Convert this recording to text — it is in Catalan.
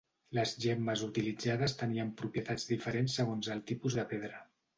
Les gemmes utilitzades tenien propietats diferents segons el tipus de pedra.